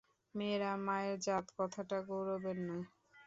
মেয়েরা মায়ের জাত, কথাটা গৌরবের নয়।